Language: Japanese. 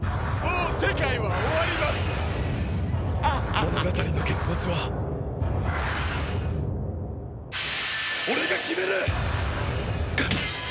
物語の結末は俺が決める！